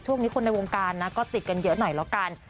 คนในวงการนะก็ติดกันเยอะหน่อยแล้วกัน